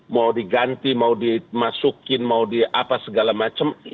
mau diganti mau dimasukin mau di apa segala macam